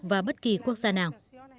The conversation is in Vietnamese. vào bất kỳ quốc gia nào